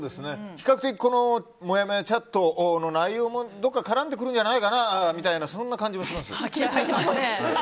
比較的もやもやチャットの内容もどこか絡んでくるんじゃないかなとかそんな感じもします。